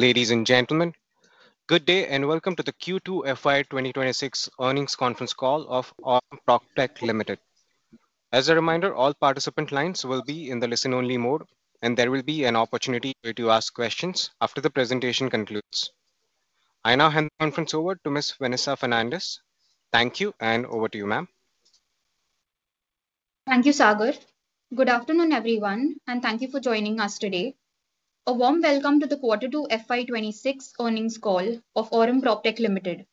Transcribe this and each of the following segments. Ladies and gentlemen, good day and welcome to the Q2 FY 2026 earnings conference call of Aurum PropTech Limited. As a reminder, all participant lines will be in the listen-only mode, and there will be an opportunity to ask questions after the presentation concludes. I now hand the conference over to Miss Vanessa Fernandes. Thank you, and over to you, ma'am. Thank you, Sagar. Good afternoon, everyone, and thank you for joining us today. A warm welcome to the Q2 FY 2026 earnings call of Aurum PropTech Limited.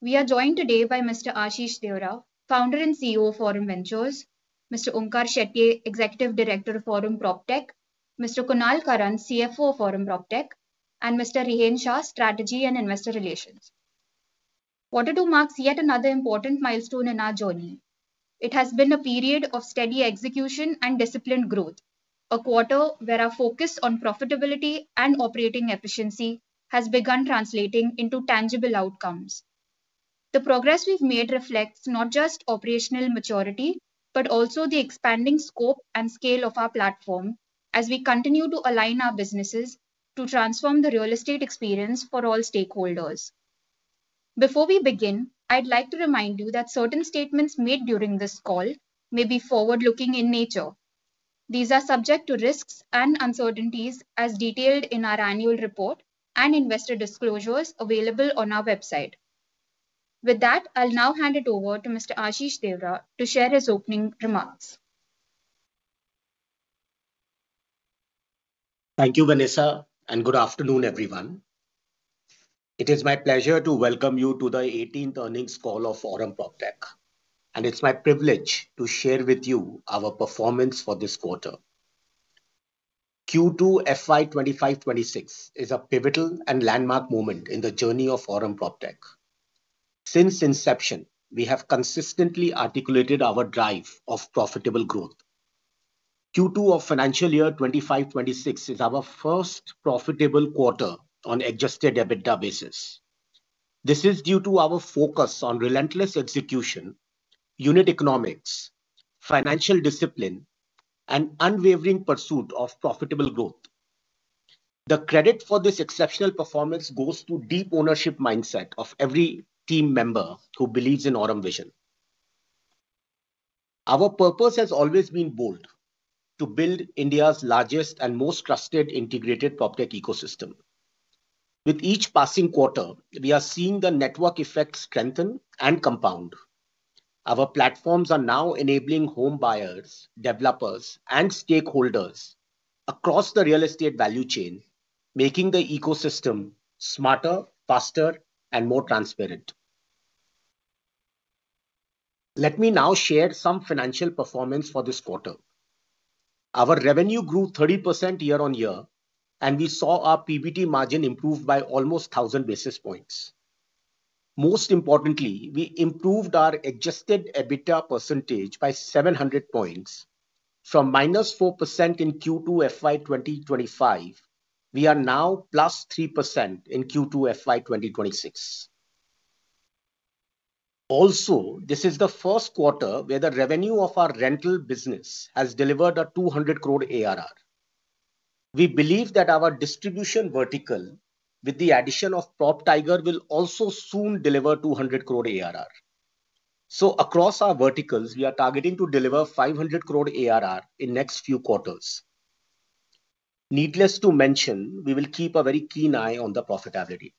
We are joined today by Mr. Ashish Deora, Founder and CEO of Aurum Ventures, Mr. Onkar Shetye, Executive Director of Aurum PropTech, Mr. Kunal Karan, CFO of Aurum PropTech, and Mr. Rehan Shah, Strategy and Investor Relations. Q2 marks yet another important milestone in our journey. It has been a period of steady execution and disciplined growth, a quarter where our focus on profitability and operating efficiency has begun translating into tangible outcomes. The progress we've made reflects not just operational maturity, but also the expanding scope and scale of our platform as we continue to align our businesses to transform the real estate experience for all stakeholders. Before we begin, I'd like to remind you that certain statements made during this call may be forward-looking in nature. These are subject to risks and uncertainties, as detailed in our annual report and investor disclosures available on our website. With that, I'll now hand it over to Mr. Ashish Deora to share his opening remarks. Thank you, Vanessa, and good afternoon, everyone. It is my pleasure to welcome you to the 18th earnings call of Aurum PropTech, and it's my privilege to share with you our performance for this quarter. Q2 FY 2026 is a pivotal and landmark moment in the journey of Aurum PropTech. Since inception, we have consistently articulated our drive for profitable growth. Q2 of financial year 2026 is our first profitable quarter on an adjusted EBITDA basis. This is due to our focus on relentless execution, unit economics, financial discipline, and an unwavering pursuit of profitable growth. The credit for this exceptional performance goes to the deep ownership mindset of every team member who believes in Aurum vision. Our purpose has always been bold: to build India's largest and most trusted integrated PropTech ecosystem. With each passing quarter, we are seeing the network effects strengthen and compound. Our platforms are now enabling home buyers, developers, and stakeholders across the real estate value chain, making the ecosystem smarter, faster, and more transparent. Let me now share some financial performance for this quarter. Our revenue grew 30% year on year, and we saw our PBT margin improve by almost 1,000 basis points. Most importantly, we improved our adjusted EBITDA percentage by 700 basis points. From -4% in Q2 FY 2025, we are now +3% in Q2 FY 2026. Also, this is the first quarter where the revenue of our rental business has delivered a 200 crore ARR. We believe that our distribution vertical, with the addition of PropTiger, will also soon deliver 200 crore ARR. Across our verticals, we are targeting to deliver 500 crore ARR in the next few quarters. Needless to mention, we will keep a very keen eye on the profitability.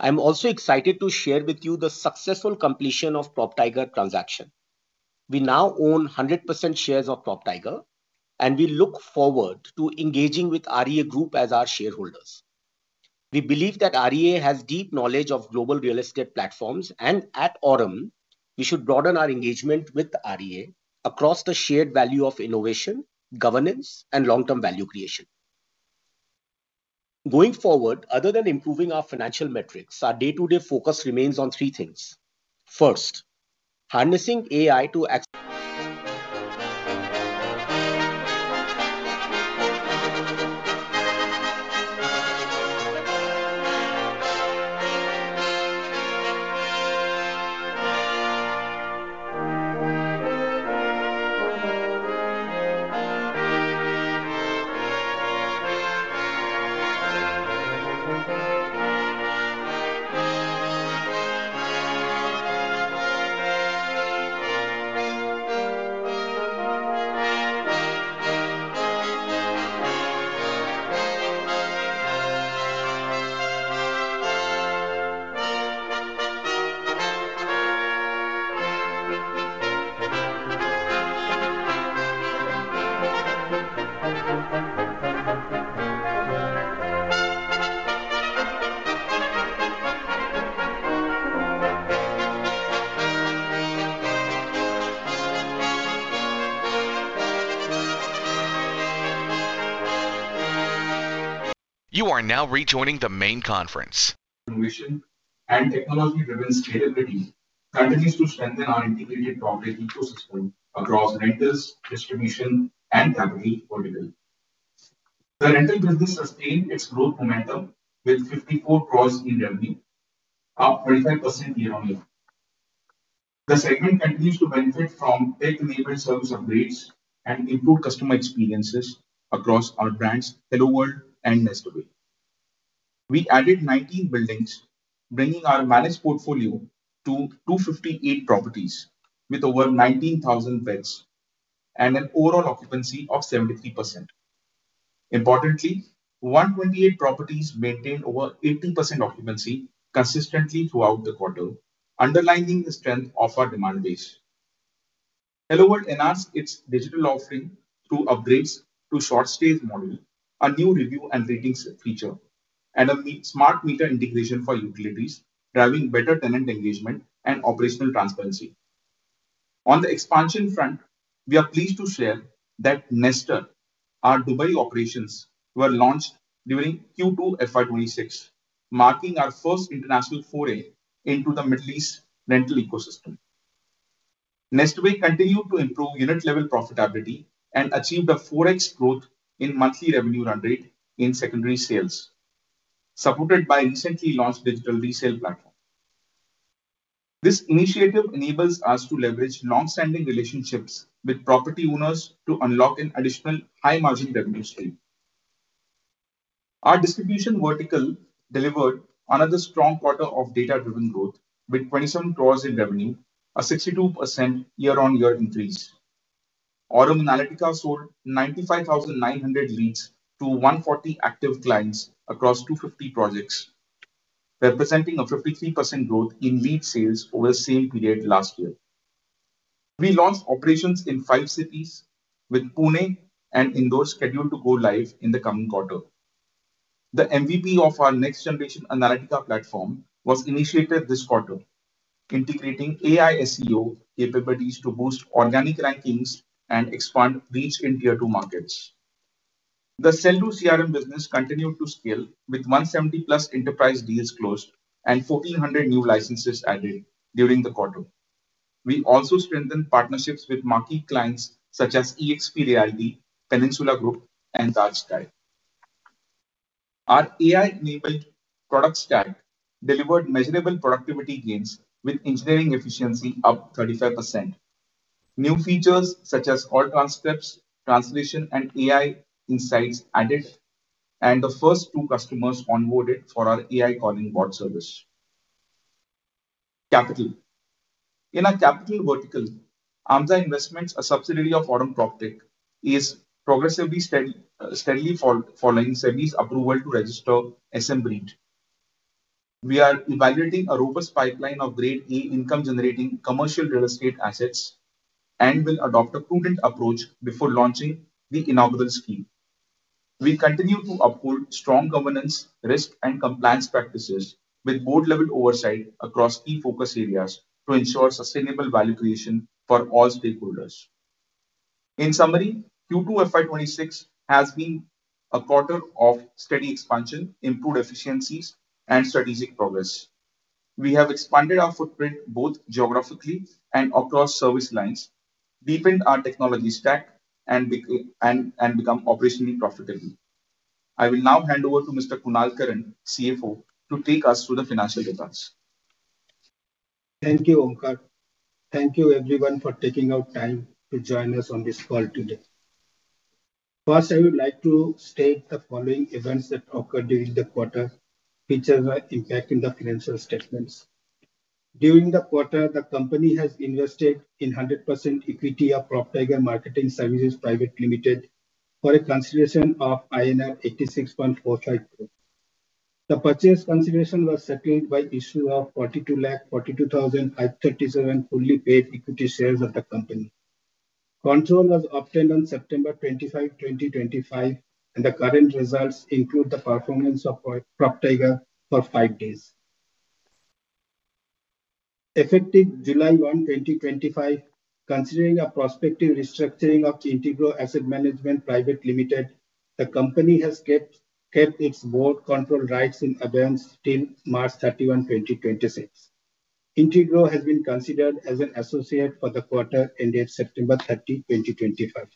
I'm also excited to share with you the successful completion of the PropTiger transaction. We now own 100% shares of PropTiger, and we look forward to engaging with REA Group as our shareholders. We believe that REA has deep knowledge of global real estate platforms, and at Aurum, we should broaden our engagement with REA across the shared value of innovation, governance, and long-term value creation. Going forward, other than improving our financial metrics, our day-to-day focus remains on three things. First, harnessing AI to accelerate. You are now rejoining the main conference. Innovation and technology-driven scalability continues to strengthen our integrated property ecosystem across rentals, distribution, and capital verticals. The rental business sustained its growth momentum with 54 crore in revenue, up 25% year-on-year. The segment continues to benefit from tech-enabled service upgrades and improved customer experiences across our brands, HelloWorld and Nestaway. We added 19 buildings, bringing our managed portfolio to 258 properties with over 19,000 beds and an overall occupancy of 73%. Importantly, 128 properties maintained over 80% occupancy consistently throughout the quarter, underlining the strength of our demand base. HelloWorld enhanced its digital offering through upgrades to a short-stay model, a new review and rating feature, and a smart meter integration for utilities, driving better tenant engagement and operational transparency. On the expansion front, we are pleased to share that Nestaway, our Dubai operations, was launched during Q2 FY 2026, marking our first international foray into the Middle East rental ecosystem. Nestaway continued to improve unit-level profitability and achieved a 4x growth in monthly revenue run rate in secondary sales, supported by a recently launched digital resale platform. This initiative enables us to leverage long-standing relationships with property owners to unlock an additional high-margin revenue stream. Our distribution vertical delivered another strong quarter of data-driven growth with 27 crore in revenue, a 62% year-on-year increase. Aurum Analytica sold 95,900 leads to 140 active clients across 250 projects, representing a 53% growth in lead sales over the same period last year. We launched operations in five cities, with Pune and Indore scheduled to go live in the coming quarter. The MVP of our next-generation analytical platform was initiated this quarter, integrating AI SEO capabilities to boost organic rankings and expand reach in tier-two markets. The Sell.Do business continued to scale, with 170+ enterprise deals closed and 1,400 new licenses added during the quarter. We also strengthened partnerships with marquee clients such as EXP Realty, Peninsula Group, and Dutch Type. Our AI-enabled product stack delivered measurable productivity gains with engineering efficiency up 35%. New features such as auto transcripts, translation, and AI insights were added, and the first two customers were onboarded for our AI calling bot service. In our capital vertical, Amza Investments, a subsidiary of Aurum PropTech, is progressing steadily following SEBI's approval to register SM-REIT. We are evaluating a robust pipeline of Grade A income-generating commercial real estate assets and will adopt a prudent approach before launching the inaugural scheme. We continue to uphold strong governance, risk, and compliance practices with board-level oversight across key focus areas to ensure sustainable value creation for all stakeholders. In summary, Q2 FY 2026 has been a quarter of steady expansion, improved efficiencies, and strategic progress. We have expanded our footprint both geographically and across service lines, deepened our technology stack, and become operationally profitable. I will now hand over to Mr. Kunal Karan, CFO, to take us through the financial results. Thank you, Onkar. Thank you, everyone, for taking out time to join us on this call today. First, I would like to state the following events that occurred during the quarter, which has an impact on the financial statements. During the quarter, the company has invested in 100% equity of PropTiger Marketing Services Private Limited for a consideration of INR 86.45 crore. The purchase consideration was settled by the issue of 42,042,537 fully paid equity shares of the company. Control was obtained on September 25, 2025, and the current results include the performance of PropTiger for five days. Effective July 1, 2025, considering a prospective restructuring of Integrow Asset Management Private Limited, the company has kept its board control rights in abeyance till March 31, 2026. Integrow has been considered as an associate for the quarter ended September 30, 2025.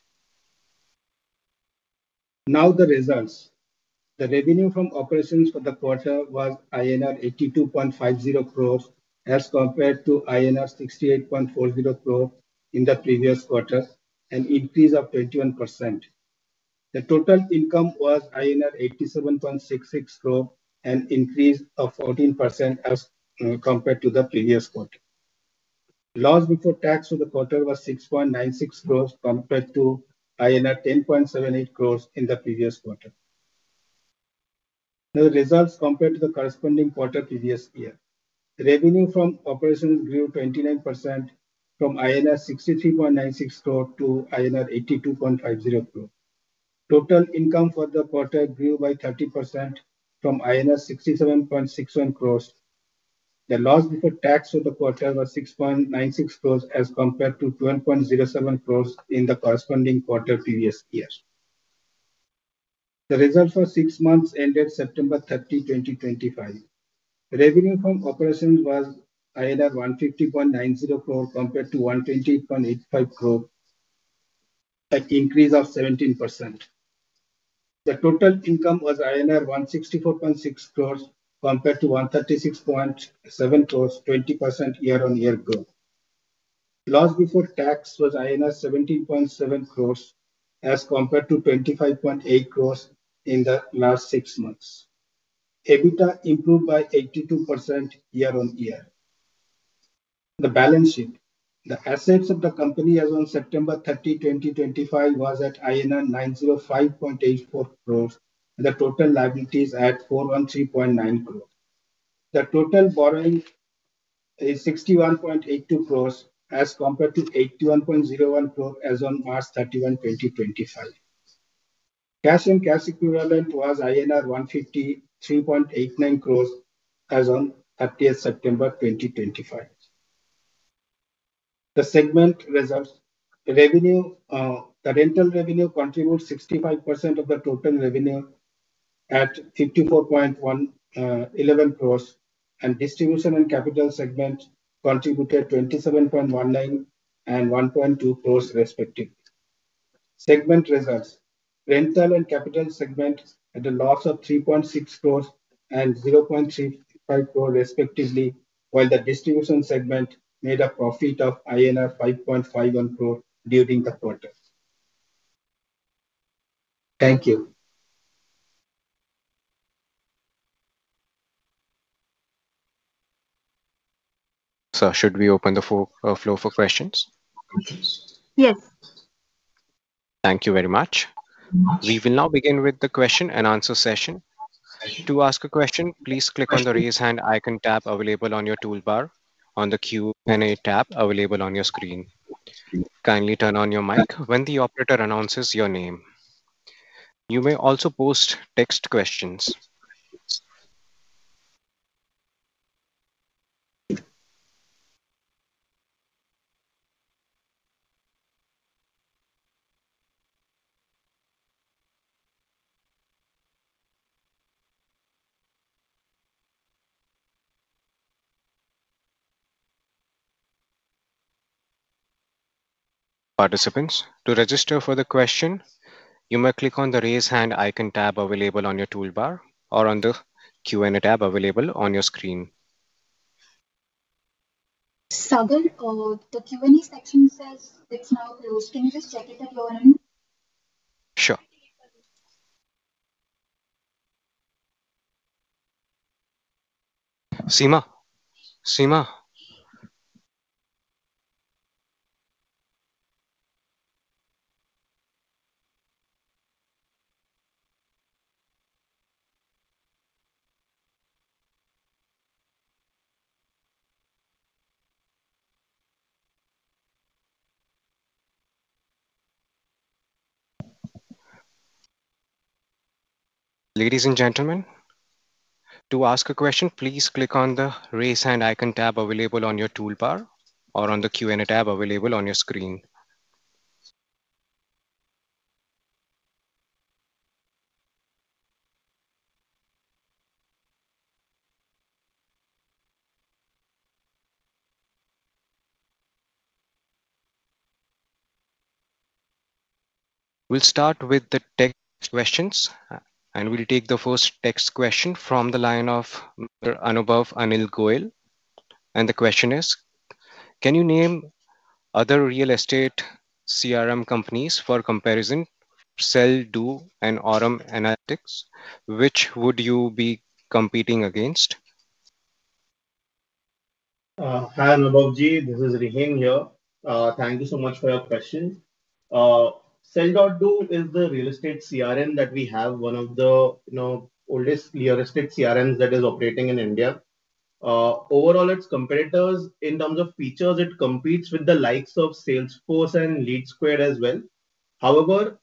Now the results. The revenue from operations for the quarter was INR 82.50 crore as compared to INR 68.40 crore in the previous quarter, an increase of 21%. The total income was INR 87.66 crore, an increase of 14% as compared to the previous quarter. Loss before tax for the quarter was 6.96 crore compared to INR 10.78 crore in the previous quarter. Now the results compared to the corresponding quarter previous year. The revenue from operations grew 29% from INR 63.96 crore to INR 82.50 crore. Total income for the quarter grew by 30% from INR 67.61 crore. The loss before tax for the quarter was 6.96 crore as compared to 12.07 crore in the corresponding quarter previous year. The results for six months ended September 30, 2025. The revenue from operations was 150.90 crore compared to 120.85 crore, an increase of 17%. The total income was INR 164.60 crore compared to 136.70 crore, 20% year-on-year growth. Loss before tax was INR 17.70 crore as compared to 25.80 crore in the last six months. EBITDA improved by 82% year-on-year. The balance sheet. The assets of the company as on September 30, 2025, was at 905.84 crore, and the total liabilities at 413.90 crore. The total borrowing is 61.82 crore as compared to 81.01 crore as on March 31, 2025. Cash and cash equivalent was INR 153.89 crore as on September 30, 2025. The segment results. The rental revenue contributed 65% of the total revenue at 54.11 crore, and distribution and capital segment contributed 27.19 crore and 1.20 crore, respectively. Segment results: rental and capital segment had a loss of 3.60 crore and 0.35 crore, respectively, while the distribution segment made a profit of INR 5.51 crore during the quarter. Sir, should we open the floor for questions? Yes. Thank you very much. We will now begin with the question and answer session. To ask a question, please click on the raise hand icon tab available on your toolbar or on the Q&A tab available on your screen. Kindly turn on your mic when the operator announces your name. You may also post text questions. Participants, to register for the question, you may click on the raise hand icon tab available on your toolbar or on the Q&A tab available on your screen. Sagar, the Q&A section says it's now closed. Can you just check it at your end? Sure. Ladies and gentlemen, to ask a question, please click on the raise hand icon tab available on your toolbar or on the Q&A tab available on your screen. We'll start with the text questions, and we'll take the first text question from the line of Anubhav Goel. The question is, can you name other real estate CRM companies for comparison? Sell.Do and Aurum Analytica, which would you be competing against? Hi Anubhav ji, this is Rehan here. Thank you so much for your question. Sell.Do is the real estate CRM that we have, one of the oldest real estate CRMs that is operating in India. Overall, its competitors in terms of features, it competes with the likes of Salesforce and LeadSquared as well. However,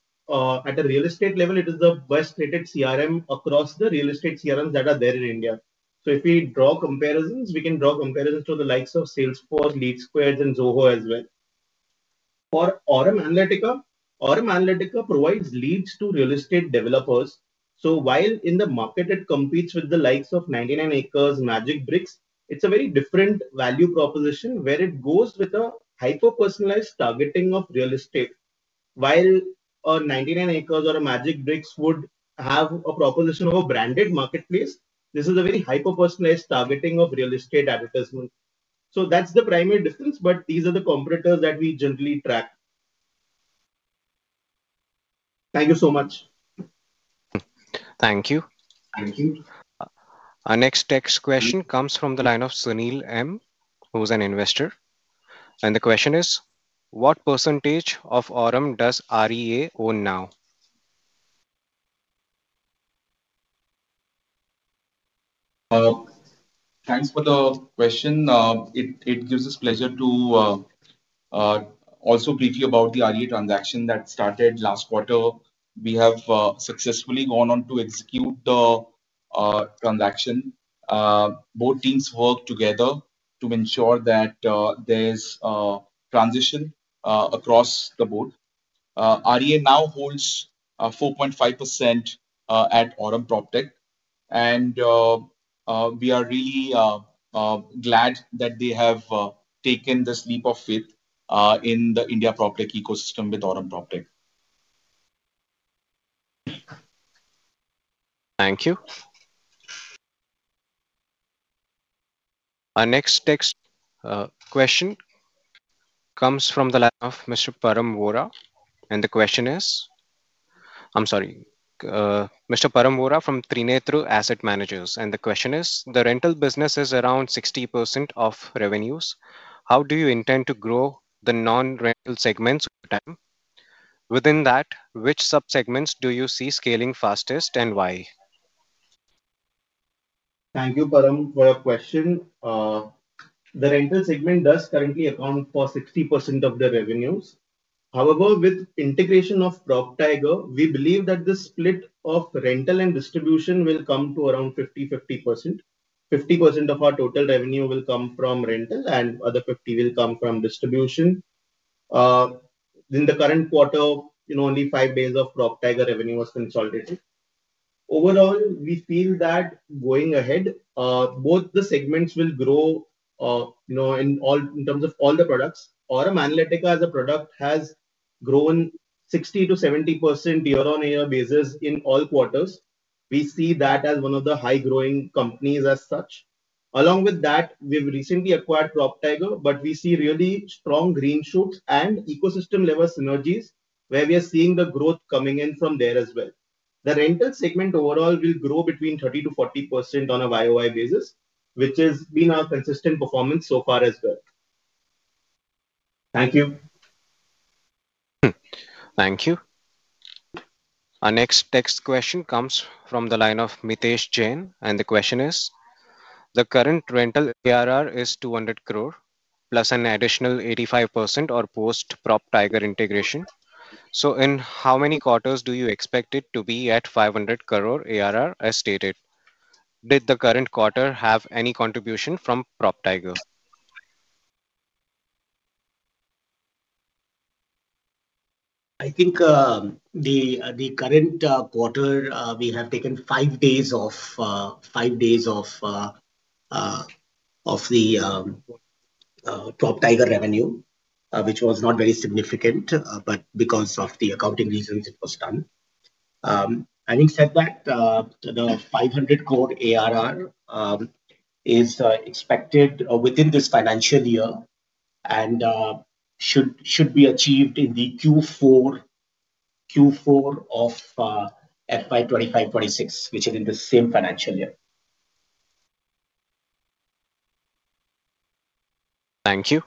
at a real estate level, it is the best rated CRM across the real estate CRMs that are there in India. If we draw comparisons, we can draw comparisons to the likes of Salesforce, LeadSquared, and Zoho as well. For Aurum Analytica, Aurum Analytica provides leads to real estate developers. In the market it competes with the likes of 99 Acres, MagicBricks, it's a very different value proposition where it goes with a hyper-personalized targeting of real estate. While a 99 Acres or a MagicBricks would have a proposition of a branded marketplace, this is a very hyper-personalized targeting of real estate advertisement. That's the primary difference, but these are the competitors that we generally track. Thank you so much. Thank you. Our next text question comes from the line of Sunil M., who's an investor. The question is, what % of Aurum does REA own now? Thanks for the question. It gives us pleasure to also brief you about the REA transaction that started last quarter. We have successfully gone on to execute the transaction. Both teams worked together to ensure that there's a transition across the board. REA now holds 4.5% at Aurum PropTech, and we are really glad that they have taken this leap of faith in the India proptech ecosystem with Aurum PropTech. Thank you. Our next text question comes from the line of Mr. Paramwara from Trinethru Asset Managers, and the question is, the rental business is around 60% of revenues. How do you intend to grow the non-rental segments over time? Within that, which subsegments do you see scaling fastest and why? Thank you, Param, for your question. The rental segment does currently account for 60% of the revenues. However, with the integration of PropTiger, we believe that the split of rental and distribution will come to around 50%-50%. 50% of our total revenue will come from rental and the other 50% will come from distribution. In the current quarter, only five days of PropTiger revenue was consolidated. Overall, we feel that going ahead, both the segments will grow in terms of all the products. Aurum Analytica as a product has grown 60%-70% year-on-year basis in all quarters. We see that as one of the high-growing companies as such. Along with that, we've recently acquired PropTiger, and we see really strong green shoots and ecosystem-level synergies where we are seeing the growth coming in from there as well. The rental segment overall will grow between 30%-40% on a year-on-year basis, which has been our consistent performance so far as well. Thank you. Thank you. Our next text question comes from the line of Mitesh Jain, and the question is, the current rental ARR is 200 crore plus an additional 85% post PropTiger integration. In how many quarters do you expect it to be at 500 crore ARR as stated? Did the current quarter have any contribution from PropTiger? I think the current quarter, we have taken five days of the PropTiger revenue, which was not very significant, but because of the accounting reasons, it was done. Having said that, the 500 crore ARR is expected within this financial year and should be achieved in the Q4 of FY 2025-26, which is in the same financial year. Thank you.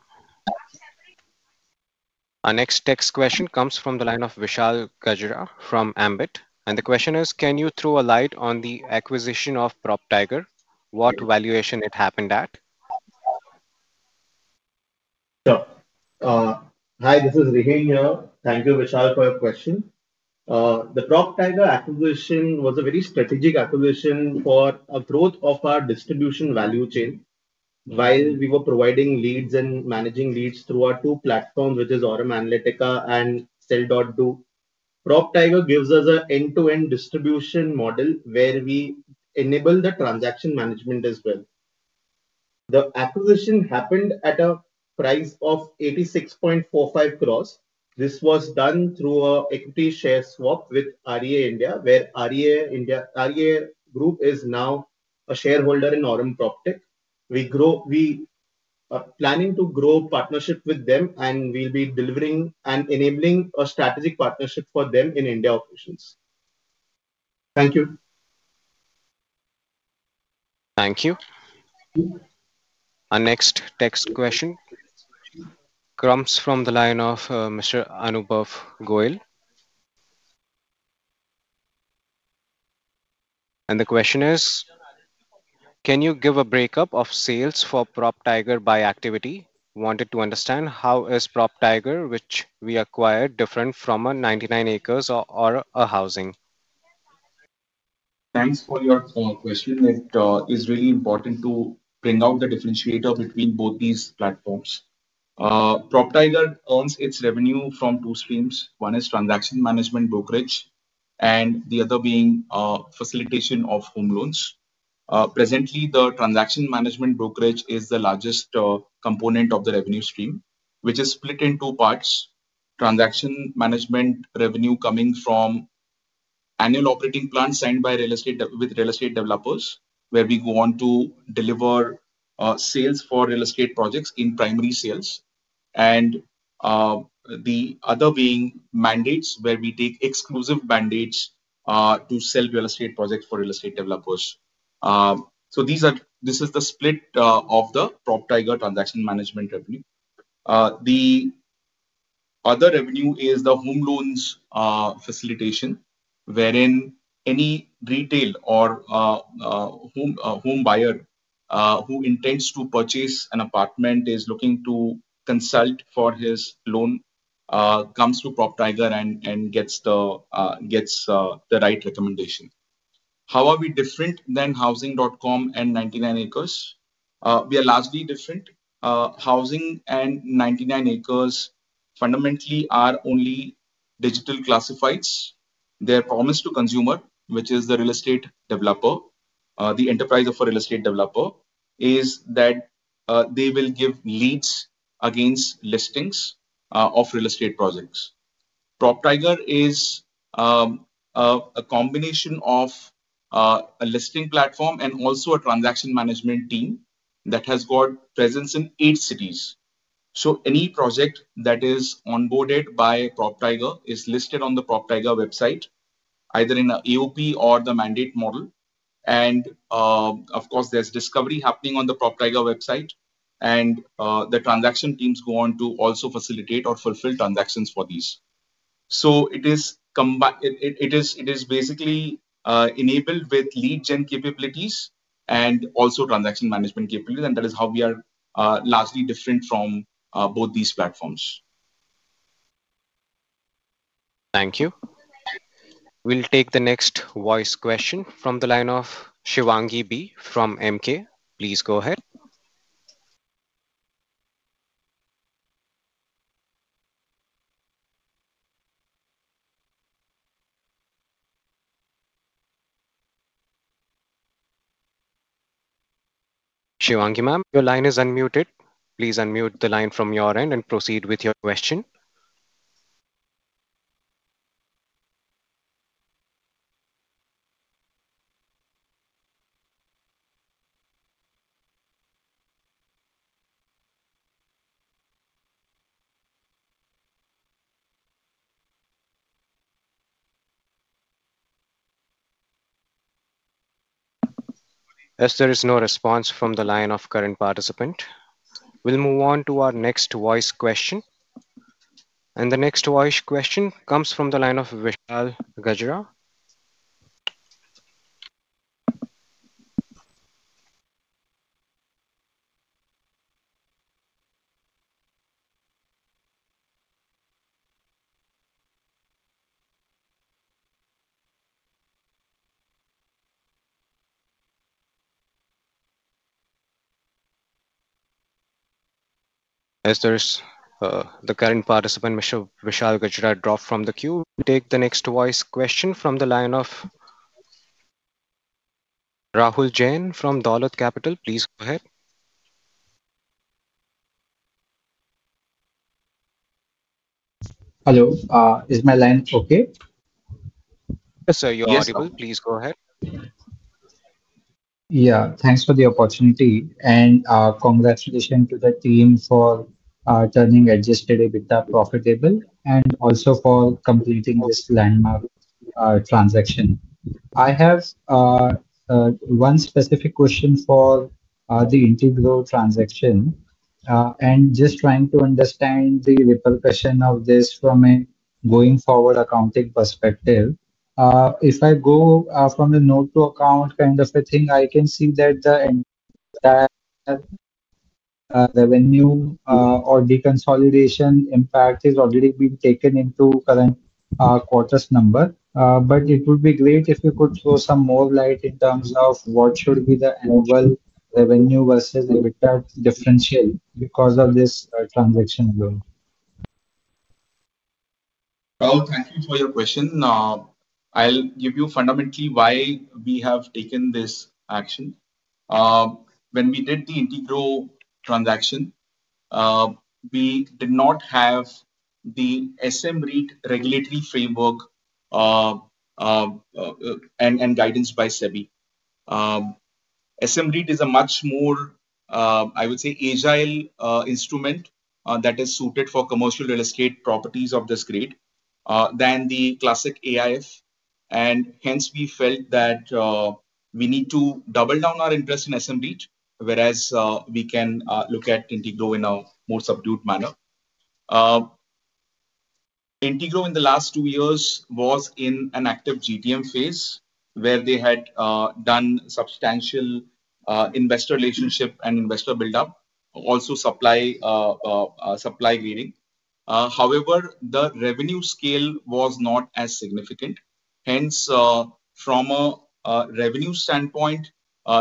Our next text question comes from the line of Vishal Gajra from Ambit, and the question is, can you throw a light on the acquisition of PropTiger? What valuation it happened at? Sure. Hi, this is Rehan here. Thank you, Vishal, for your question. The PropTiger acquisition was a very strategic acquisition for a growth of our distribution value chain. While we were providing leads and managing leads through our two platforms, which are Aurum Analytica and Sell.Do, PropTiger gives us an end-to-end distribution model where we enable the transaction management as well. The acquisition happened at a price of 86.45 crore. This was done through an equity share swap with REA India, where REA Group is now a shareholder in Aurum PropTech. We are planning to grow a partnership with them and we'll be delivering and enabling a strategic partnership for them in India operations. Thank you. Thank you. Our next text question comes from the line of Mr. Anubhav Goel. The question is, can you give a breakup of sales for PropTiger by activity? Wanted to understand how is PropTiger, which we acquired, different from a 99 Acres or a Housing? Thanks for your question. It is really important to bring out the differentiator between both these platforms. PropTiger earns its revenue from two streams. One is transaction management brokerage, and the other being a facilitation of home loans. Presently, the transaction management brokerage is the largest component of the revenue stream, which is split into two parts: transaction management revenue coming from annual operating plans signed by real estate with real estate developers, where we go on to deliver sales for real estate projects in primary sales, and the other being mandates, where we take exclusive mandates to sell real estate projects for real estate developers. This is the split of the PropTiger transaction management revenue. The other revenue is the home loans facilitation, wherein any retail or home buyer who intends to purchase an apartment is looking to consult for his loan, comes to PropTiger and gets the right recommendation. How are we different than Housing.com and 99 Acres? We are largely different. Housing and 99 Acres fundamentally are only digital classifieds. Their promise to consumer, which is the real estate developer, the enterprise of a real estate developer, is that they will give leads against listings of real estate projects. PropTiger is a combination of a listing platform and also a transaction management team that has got presence in eight cities. Any project that is onboarded by PropTiger is listed on the PropTiger website, either in an AOP or the mandate model. Of course, there's discovery happening on the PropTiger website, and the transaction teams go on to also facilitate or fulfill transactions for these. It is basically enabled with lead gen capabilities and also transaction management capabilities, and that is how we are largely different from both these platforms. Thank you. We'll take the next voice question from the line of Shivangi B. from MK. Please go ahead. Shivangi, ma'am, your line is unmuted. Please unmute the line from your end and proceed with your question. As there is no response from the line of current participant, we'll move on to our next voice question. The next voice question comes from the line of Vishal Gajra. As the current participant, Mr. Vishal Gajra, dropped from the queue, we'll take the next voice question from the line of Rahul Jain from Dolat Capital. Please go ahead. Hello. Is my line okay? Yes, sir, you're audible. Please go ahead. Thank you for the opportunity. Congratulations to the team for turning adjusted EBITDA profitable and also for completing this landmark transaction. I have one specific question for the Integrow transaction. I'm just trying to understand the repercussion of this from a going-forward accounting perspective. If I go from the note-to-account kind of a thing, I can see that the revenue or deconsolidation impact has already been taken into the current quarter's number. It would be great if you could throw some more light in terms of what should be the annual revenue versus EBITDA differential because of this transaction alone. Rahul, thank you for your question. I'll give you fundamentally why we have taken this action. When we did the Integrow transaction, we did not have the SM-REIT regulatory framework and guidance by SEBI. SM-REIT is a much more, I would say, agile instrument that is suited for commercial real estate properties of this grade than the classic AIF. Hence, we felt that we need to double down our interest in SM-REIT, whereas we can look at Integrow in a more subdued manner. Integrow in the last two years was in an active GTM phase where they had done substantial investor relationship and investor buildup, also supply grading. However, the revenue scale was not as significant. Hence, from a revenue standpoint,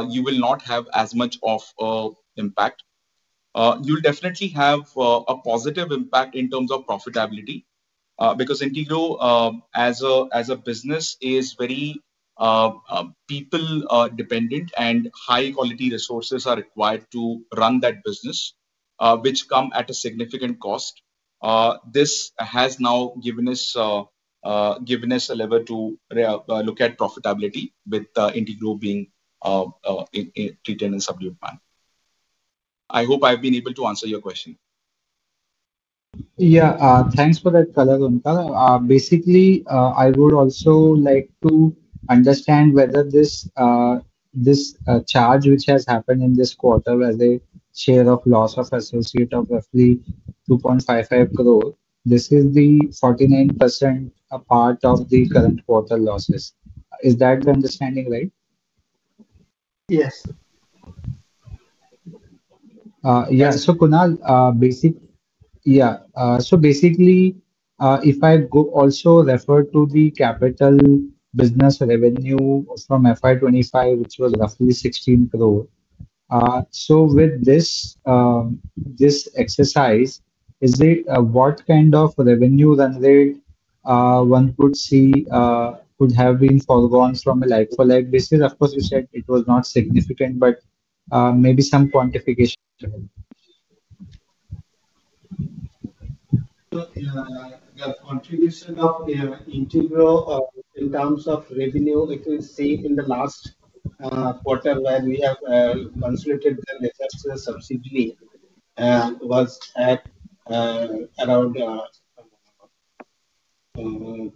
you will not have as much of an impact. You'll definitely have a positive impact in terms of profitability because Integrow, as a business, is very people-dependent and high-quality resources are required to run that business, which come at a significant cost. This has now given us a lever to look at profitability with Integrow being treated in a subdued manner. I hope I've been able to answer your question. Yeah, thanks for that color, Onkar. Basically, I would also like to understand whether this charge, which has happened in this quarter, where the share of loss of associate of roughly 2.55 crore, this is the 49% part of the current quarter losses. Is that the understanding right? Yes. Kunal, if I also refer to the capital segment revenue from FY 2025, which was roughly 16 crore, with this exercise, what kind of revenue run rate one could see could have been foregone from a like-for-like basis? Of course, you said it was not significant, but maybe some quantification. The contribution of Integrow in terms of revenue, it is seen in the last quarter where we have consolidated the subsidiary was at around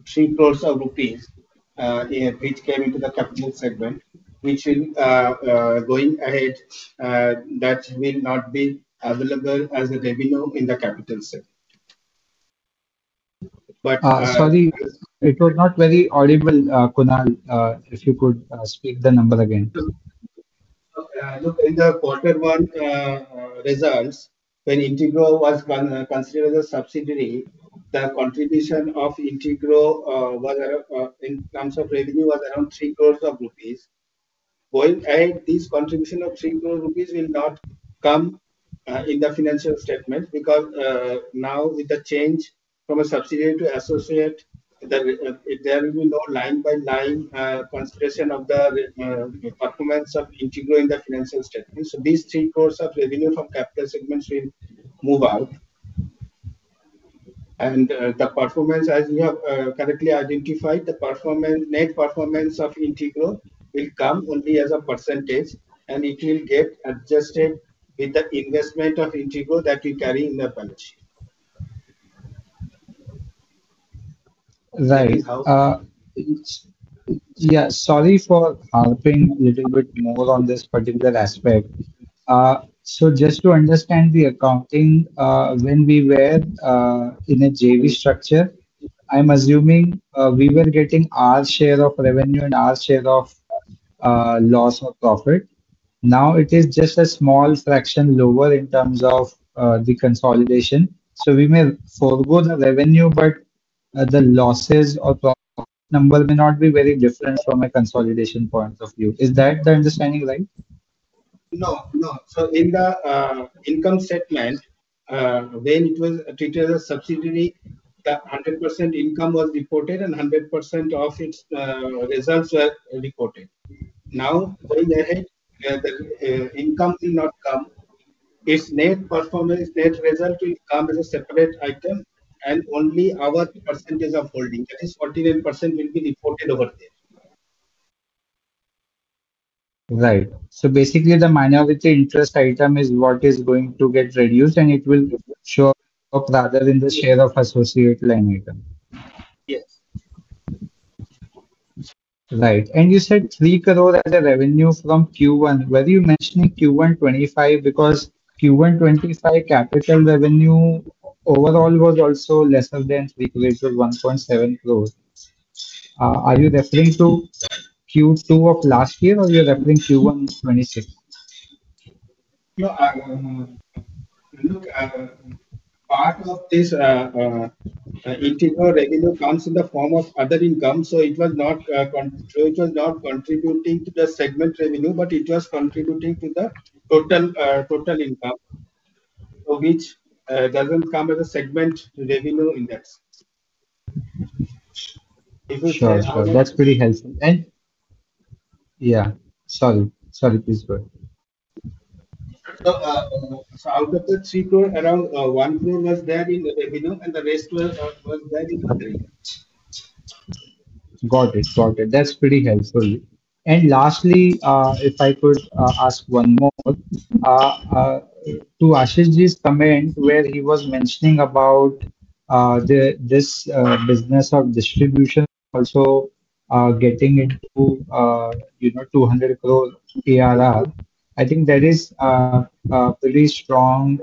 3 crore rupees, which came into the capital segment. Going ahead, that will not be available as a revenue in the capital segment. Sorry, it was not very audible, Kunal, if you could speak the number again. Look, in the quarter one results, when Integrow was considered as a subsidiary, the contribution of Integrow in terms of revenue was around 3 crore rupees. Going ahead, this contribution of 3 crore rupees will not come in the financial statement because now with the change from a subsidiary to associate, there will be no line-by-line consideration of the performance of Integrow in the financial statement. These 3 crore of revenue from the capital segment will move out. The performance, as you have correctly identified, the net performance of Integrow will come only as a percentage, and it will get adjusted with the investment of Integrow that we carry in the balance sheet. Right. Sorry for harping a little bit more on this particular aspect. Just to understand the accounting, when we were in a JV structure, I'm assuming we were getting our share of revenue and our share of loss or profit. Now it is just a small fraction lower in terms of the consolidation. We may forego the revenue, but the losses or profit number may not be very different from a consolidation point of view. Is that the understanding right? No, no. In the income statement, when it was treated as a subsidiary, the 100% income was reported and 100% of its results were reported. Now, going ahead, the income will not come. Its net performance, net result will come as a separate item and only our percentage of holding, that is 49%, will be reported over there. Right. Basically, the minority interest item is what is going to get reduced, and it will show up rather than the share of associate line item. Yes. Right. You said 3 crore as revenue from Q1. Were you mentioning Q1 2025 because Q1 2025 capital revenue overall was also lesser than INR 3 crore or 1.7 crore? Are you referring to Q2 of last year or are you referring to Q1 2026? Look, part of this Integrow revenue comes in the form of other income. It was not contributing to the segment revenue, but it was contributing to the total income, which doesn't come as a segment revenue in that sense. Sure, that's pretty helpful. Yeah, sorry, please go ahead. Out of the 3 crore, around 1 crore was there in the revenue and the rest was there in revenue. Got it, got it. That's pretty helpful. Lastly, if I could ask one more, to Ashish ji's comment where he was mentioning about this business of distribution also getting into 200 crore ARR, I think that is a pretty strong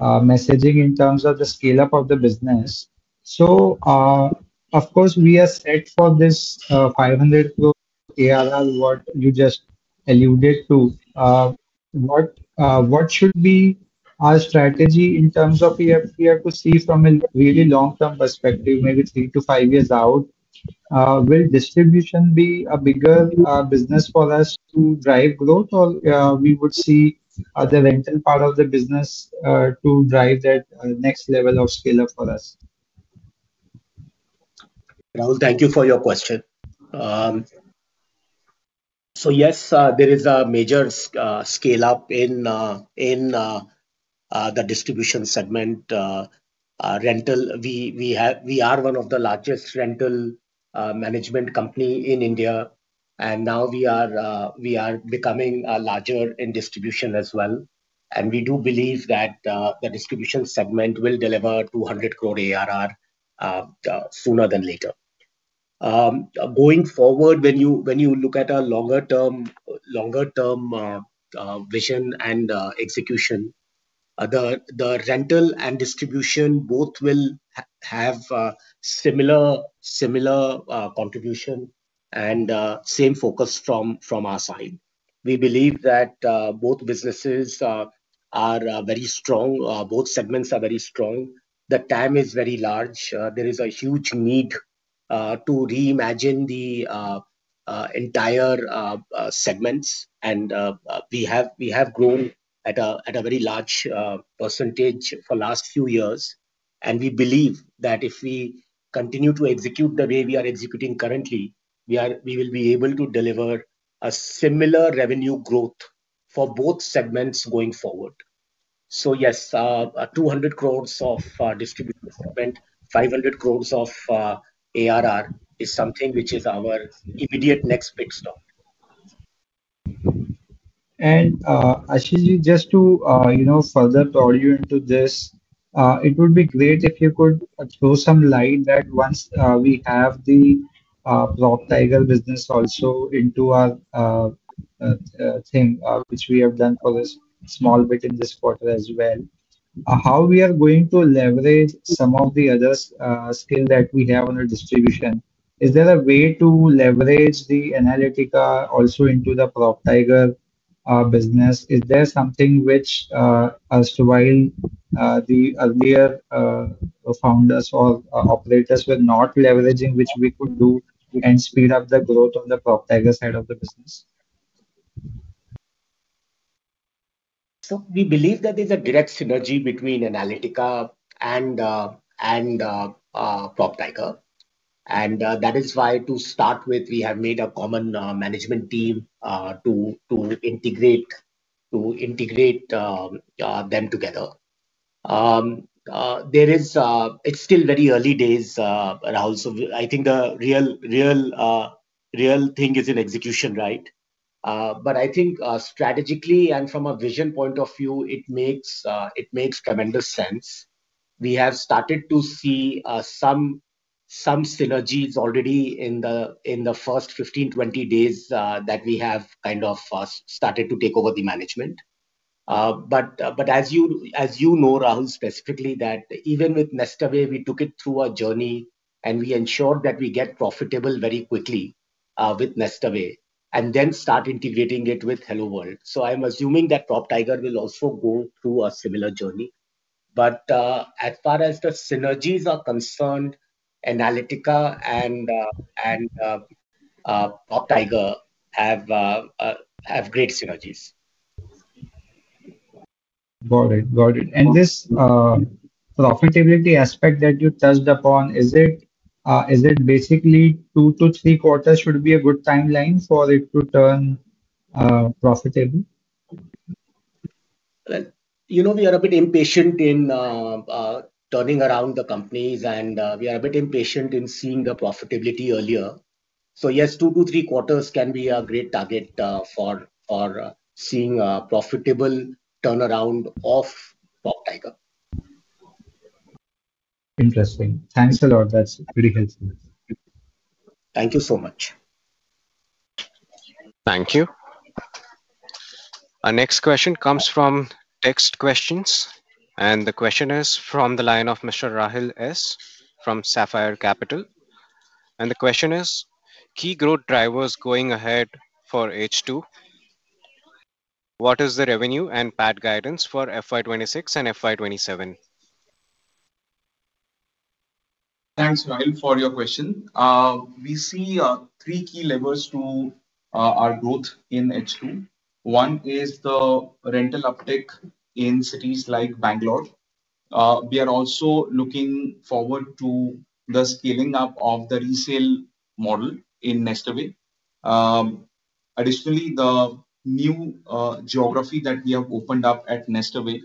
messaging in terms of the scale-up of the business. Of course, we are set for this 500 crore ARR, what you just alluded to. What should be our strategy in terms of PFP? We have to see from a really long-term perspective, maybe three to five years out, will distribution be a bigger business for us to drive growth or would we see the rental part of the business drive that next level of scale-up for us? Rahul, thank you for your question. Yes, there is a major scale-up in the distribution segment. We are one of the largest rental management companies in India, and now we are becoming larger in distribution as well. We do believe that the distribution segment will deliver 200 crore ARR sooner than later. Going forward, when you look at a longer-term vision and execution, the rental and distribution both will have similar contribution and same focus from our side. We believe that both businesses are very strong. Both segments are very strong. The time is very large. There is a huge need to reimagine the entire segments. We have grown at a very large % for the last few years. We believe that if we continue to execute the way we are executing currently, we will be able to deliver a similar revenue growth for both segments going forward. Yes, 200 crore of distribution segment, 500 crore of ARR is something which is our immediate next big stop. Ashish ji, just to further draw you into this, it would be great if you could throw some light that once we have the PropTiger business also into our thing, which we have done for a small bit in this quarter as well, how we are going to leverage some of the other skills that we have on our distribution. Is there a way to leverage the Analytica also into the PropTiger business? Is there something which, as to while the earlier founders or operators were not leveraging, which we could do and speed up the growth on the PropTiger side of the business? We believe that there's a direct synergy between Aurum Analytica and PropTiger. That is why, to start with, we have made a common management team to integrate them together. It's still very early days, Rahul. I think the real thing is in execution, right? I think strategically and from a vision point of view, it makes tremendous sense. We have started to see some synergies already in the first 15-20 days that we have kind of started to take over the management. As you know, Rahul, specifically, even with Nestaway, we took it through a journey and we ensured that we get profitable very quickly with Nestaway and then start integrating it with HelloWorld. I'm assuming that PropTiger will also go through a similar journey. As far as the synergies are concerned, Analytica and PropTiger have great synergies. Got it, got it. This profitability aspect that you touched upon, is it basically two to three quarters should be a good timeline for it to turn profitable? You know, we are a bit impatient in turning around the companies, and we are a bit impatient in seeing the profitability earlier. Yes, two to three quarters can be a great target for seeing a profitable turnaround of PropTiger. Interesting. Thanks a lot. That's really helpful. Thank you so much. Thank you. Our next question comes from text questions. The question is from the line of Mr. Rahil S. from Sapphire Capital. The question is, key growth drivers going ahead for H2, what is the revenue and PAT guidance for FY 2026 and FY 2027? Thanks, Rahil, for your question. We see three key levers to our growth in H2. One is the rental uptake in cities like Bangalore. We are also looking forward to the scaling up of the resale model in Nestaway. Additionally, the new geography that we have opened up at Nestaway,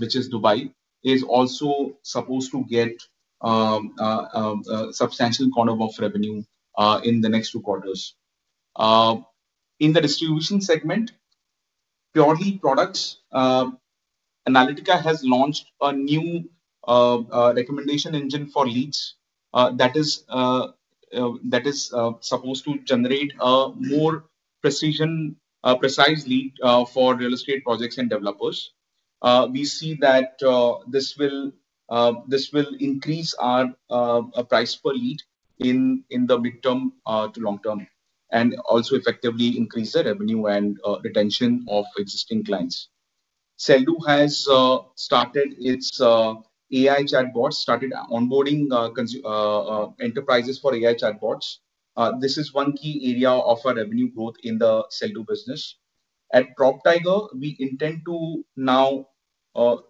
which is Dubai, is also supposed to get a substantial corner of revenue in the next two quarters. In the distribution segment, purely products, Aurum Analytica has launched a new recommendation engine for leads that is supposed to generate a more precise lead for real estate projects and developers. We see that this will increase our price per lead in the mid-term to long-term and also effectively increase the revenue and retention of existing clients. Sell.Do has started its AI chatbots, started onboarding enterprises for AI chatbots. This is one key area of our revenue growth in the Sell.Do business. At PropTiger, we intend to now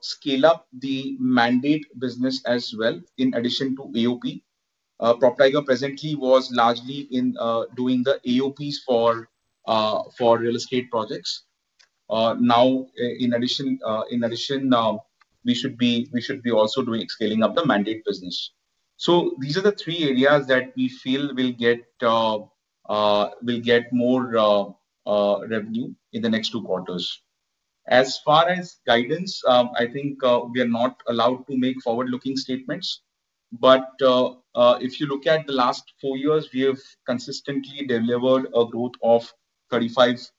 scale up the mandate business as well in addition to AOP. PropTiger presently was largely doing the AOPs for real estate projects. Now, in addition, we should be also doing scaling up the mandate business. These are the three areas that we feel will get more revenue in the next two quarters. As far as guidance, I think we are not allowed to make forward-looking statements. If you look at the last four years, we have consistently delivered a growth of 35%,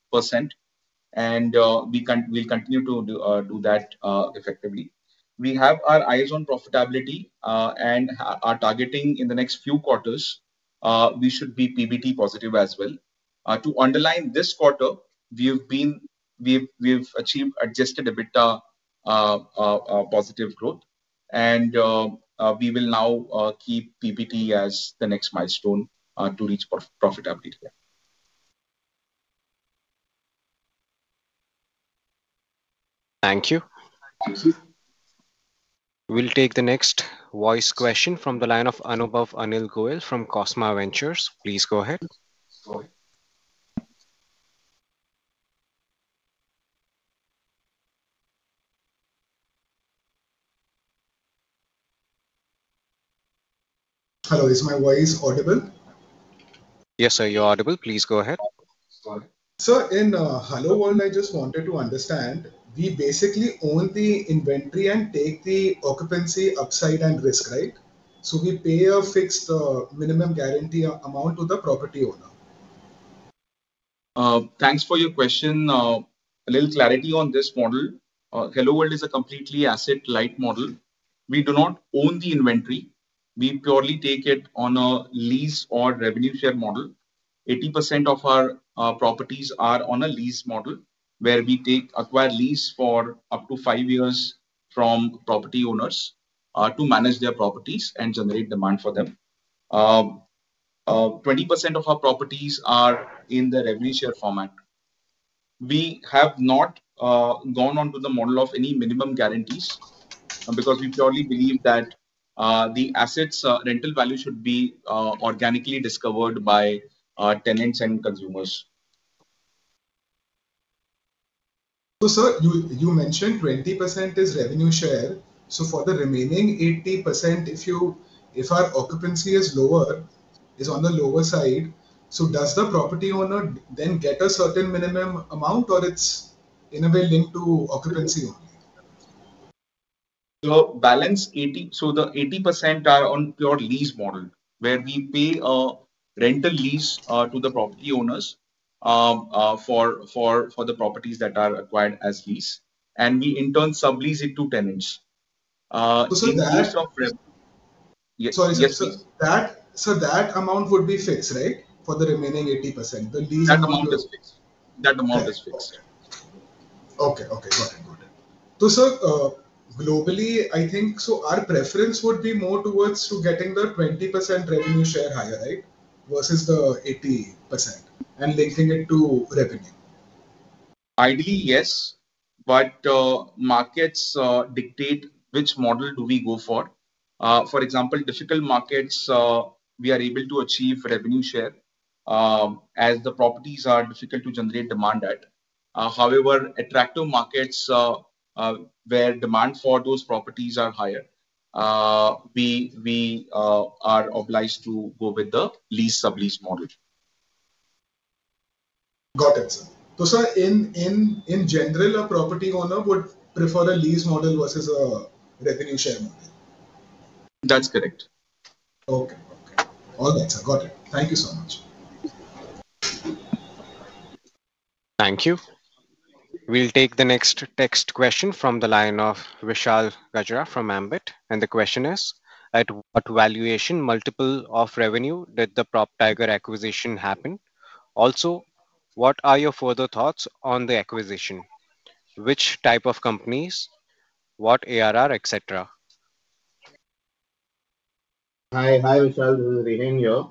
and we'll continue to do that effectively. We have our eyes on profitability and are targeting in the next few quarters. We should be PBT positive as well. To underline this quarter, we have achieved adjusted EBITDA positive growth, and we will now keep PBT as the next milestone to reach profitability there. Thank you. We'll take the next voice question from the line of Anubhav Goel from Cosma Ventures. Please go ahead. Hello, is my voice audible? Yes, sir, you're audible. Please go ahead. Sir, in HelloWorld, I just wanted to understand, we basically own the inventory and take the occupancy upside and risk, right? We pay a fixed minimum guarantee amount to the property owner. Thanks for your question. A little clarity on this model. HelloWorld is a completely asset-light model. We do not own the inventory. We purely take it on a lease or revenue share model. 80% of our properties are on a lease model where we acquire lease for up to five years from property owners to manage their properties and generate demand for them. 20% of our properties are in the revenue share format. We have not gone on to the model of any minimum guarantees because we purely believe that the asset's rental value should be organically discovered by tenants and consumers. Sir, you mentioned 20% is revenue share for the remaining 80%, if our occupancy is on the lower side, does the property owner then get a certain minimum amount or is it in a way linked to occupancy only? The 80% are on pure lease model where we pay a rental lease to the property owners for the properties that are acquired as lease, and we in turn sublease it to tenants. That amount would be fixed, right? For the remaining 80%, the lease amount is fixed. That amount is fixed. Okay, got it, got it. Sir, globally, I think our preference would be more towards getting the 20% revenue share higher versus the 80% and linking it to revenue? Ideally, yes, but markets dictate which model we go for. For example, in difficult markets, we are able to achieve revenue share as the properties are difficult to generate demand at. However, in attractive markets where demand for those properties is higher, we are obliged to go with the lease sublease model. Got it, sir. In general, a property owner would prefer a lease model versus a revenue share model? That's correct. Okay. All right, sir. Got it. Thank you so much. Thank you. We'll take the next text question from the line of Vishal Gajra from Ambit. The question is, at what valuation multiple of revenue did the PropTiger acquisition happen? Also, what are your further thoughts on the acquisition? Which type of companies, what ARR, etc.? Hi, Vishal. This is Rehan here.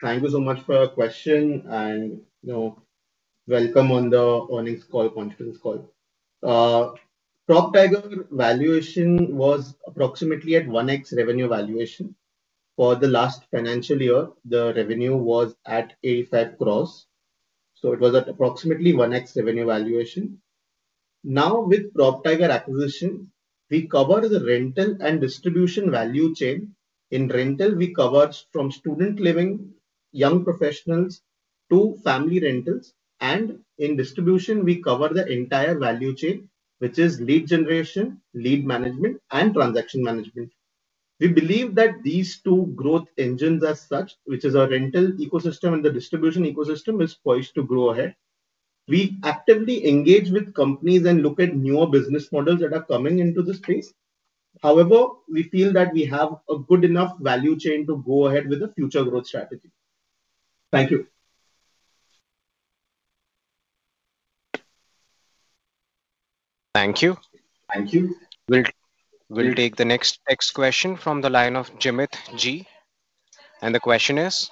Thank you so much for your question and you know welcome on the earnings call, confidence call. PropTiger valuation was approximately at 1x revenue valuation. For the last financial year, the revenue was at 85 crore. It was at approximately 1x revenue valuation. Now, with PropTiger acquisition, we cover the rental and distribution value chain. In rental, we cover from student living, young professionals to family rentals. In distribution, we cover the entire value chain, which is lead generation, lead management, and transaction management. We believe that these two growth engines are such, which is our rental ecosystem and the distribution ecosystem is poised to grow ahead. We actively engage with companies and look at newer business models that are coming into the space. However, we feel that we have a good enough value chain to go ahead with the future growth strategy. Thank you. Thank you. We'll take the next text question from the line of Jemit ji. The question is,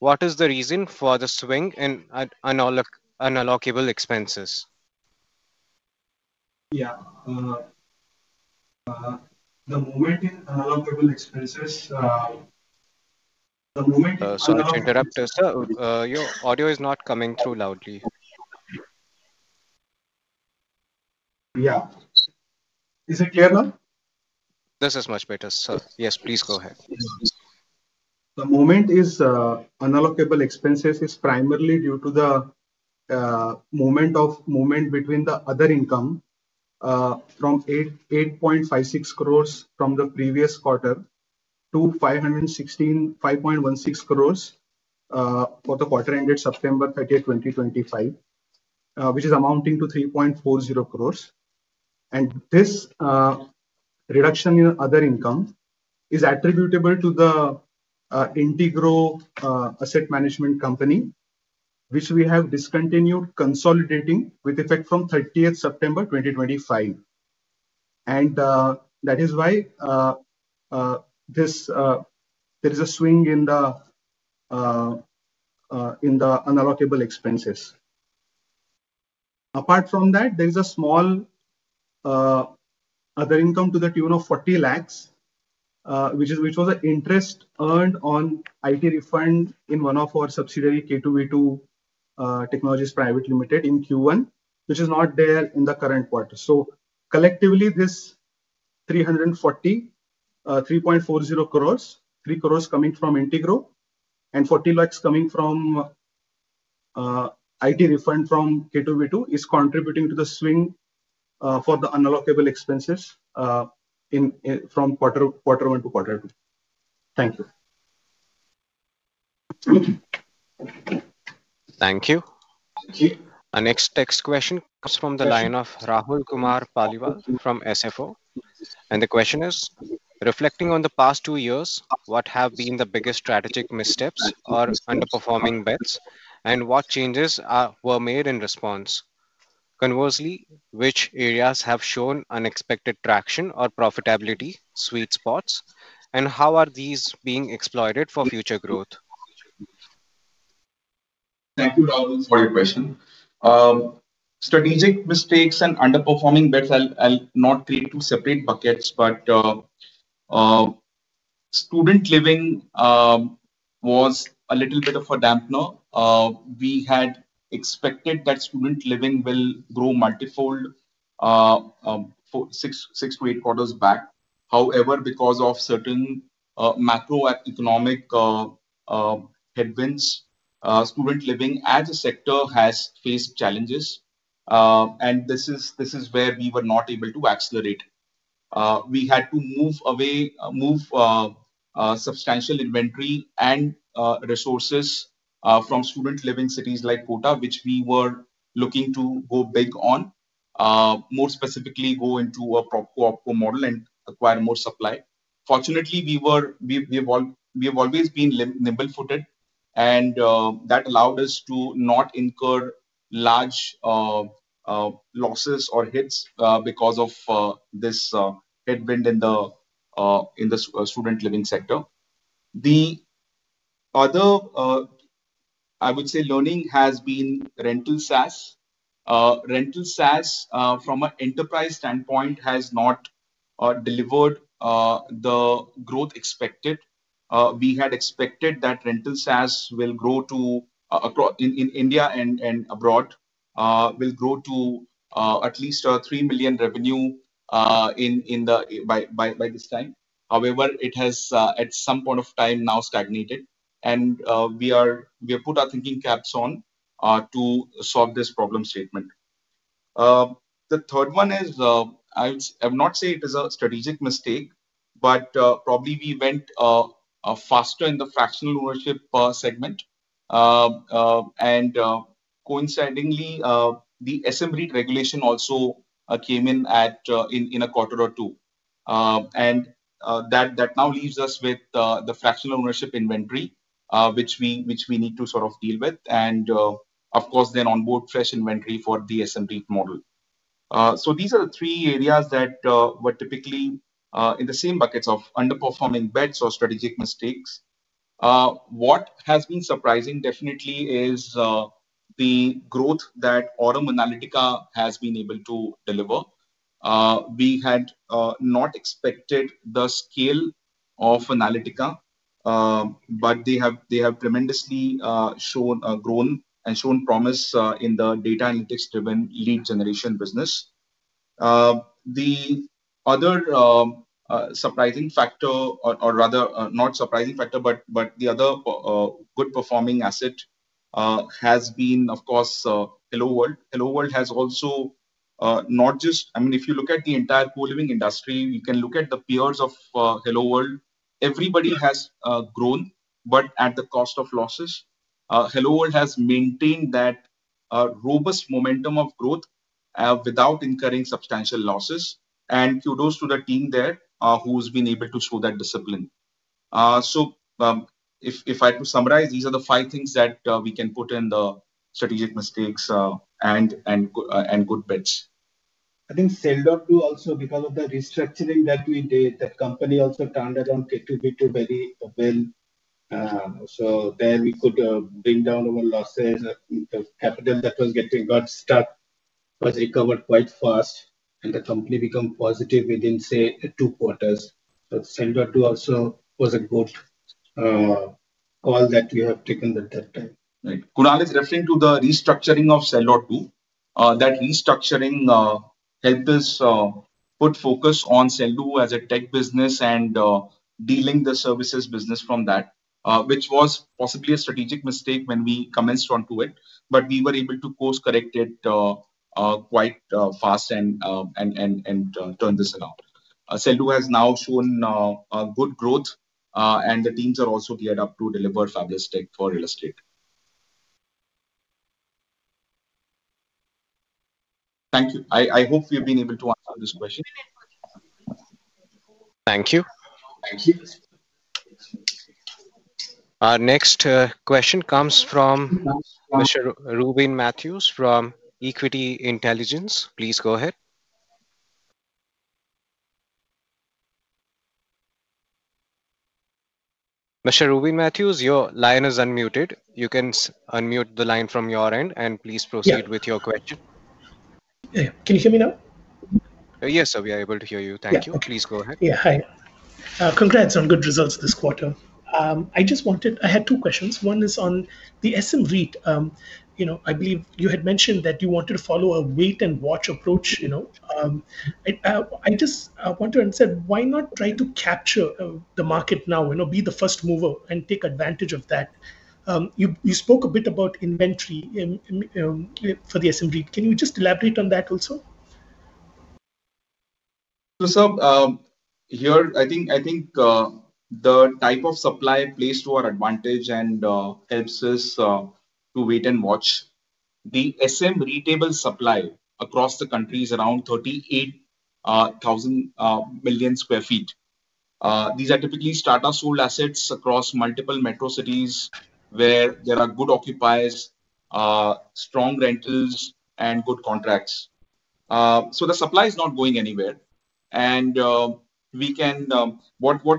what is the reason for the swing in unallocable expenses? Yeah, the movement in unallocable expenses, the movement in unallocable. Oh, you're interrupted, sir. Your audio is not coming through loudly. Yeah, is it clear now? This is much better, sir. Yes, please go ahead. The movement in unallocable expenses is primarily due to the movement of other income from 8.56 crore from the previous quarter to 5.16 crore for the quarter ended September 30, 2025, which is amounting to 3.40 crore. This reduction in other income is attributable to the Integrow Asset Management Company, which we have discontinued consolidating with effect from September 30, 2025. That is why there is a swing in the unallocable expenses. Apart from that, there is a small other income to the tune of 0.40 crore, which was an interest earned on IT refund in one of our subsidiaries, K2v2 Technologies Private Limited, in Q1, which is not there in the current quarter. Collectively, this 3.40 crores, 3 crore coming from Integrow and 0.40 crore coming from IT refund from K2v2—is contributing to the swing for the unallocable expenses from quarter one to quarter two. Thank you. Thank you. Our next text question comes from the line of Rahul Kumar Palival from SFO. The question is, reflecting on the past two years, what have been the biggest strategic missteps or underperforming bets and what changes were made in response? Conversely, which areas have shown unexpected traction or profitability sweet spots and how are these being exploited for future growth? Thank you, Rahul, for your question. Strategic mistakes and underperforming bets, I'll not create two separate buckets, but student living was a little bit of a dampener. We had expected that student living will grow multifold for six to eight quarters back. However, because of certain macroeconomic headwinds, student living as a sector has faced challenges. This is where we were not able to accelerate. We had to move substantial inventory and resources from student living cities like Kota, which we were looking to go big on, more specifically go into a [PropCo] model and acquire more supply. Fortunately, we have always been nimble-footed, and that allowed us to not incur large losses or hits because of this headwind in the student living sector. The other, I would say, learning has been Rental SaaS. Rental SaaS, from an enterprise standpoint, has not delivered the growth expected. We had expected that Rental SaaS will grow to, in India and abroad, will grow to at least 3 million revenue by this time. However, it has, at some point of time, now stagnated. We have put our thinking caps on to solve this problem statement. The third one is, I would not say it is a strategic mistake, but probably we went faster in the fractional ownership per segment. Coincidingly, the SM-REIT regulation also came in in a quarter or two. That now leaves us with the fractional ownership inventory, which we need to sort of deal with. Of course, then onboard fresh inventory for the SM-REIT model. These are the three areas that were typically in the same buckets of underperforming bets or strategic mistakes. What has been surprising, definitely, is the growth that Aurum Analytica has been able to deliver. We had not expected the scale of Analytica, but they have tremendously grown and shown promise in the data analytics-driven lead generation business. The other surprising factor, or rather not surprising factor, but the other good performing asset has been, of course, HelloWorld. HelloWorld has also not just, I mean, if you look at the entire co-living industry, you can look at the peers of HelloWorld. Everybody has grown, but at the cost of losses. HelloWorld has maintained that robust momentum of growth without incurring substantial losses. Kudos to the team there who's been able to show that discipline. If I had to summarize, these are the five things that we can put in the strategic mistakes and good bets. I think Sell. Do too, also, because of the restructuring that we did, the company also turned around K2v2 very well. There we could bring down our losses. The capital that was getting stuck was recovered quite fast, and the company became positive within, say, two quarters. Sell.Do too also was a good call that we have taken at that time. Right. Kunal is referring to the restructuring of Sell.Do too. That restructuring helped us put focus on Sell.Do as a tech business and dealing the services business from that, which was possibly a strategic mistake when we commenced onto it. We were able to course-correct it quite fast and turn this around. Sell.Do has now shown good growth, and the teams are also geared up to deliver fabulous tech for real estate. Thank you. I hope we have been able to answer this question. Thank you. Our next question comes from Mr. Rubin Matthews from Equity Intelligence. Please go ahead. Mr. Rubin Matthews, your line is unmuted. You can unmute the line from your end and please proceed with your question. Yeah. Can you hear me now? Yes, sir, we are able to hear you. Thank you. Please go ahead. Yeah, hi. Congrats on good results this quarter. I just wanted, I had two questions. One is on the SM-REIT. I believe you had mentioned that you wanted to follow a wait-and-watch approach. I just wondered, why not try to capture the market now, be the first mover and take advantage of that? You spoke a bit about inventory for the SM-REIT. Can you just elaborate on that also? Sir, here, I think the type of supply plays to our advantage and helps us to wait and watch. The SM-REIT table supply across the country is around 38 million square feet. These are typically start-ups who hold assets across multiple metro cities where there are good occupiers, strong rentals, and good contracts. The supply is not going anywhere. What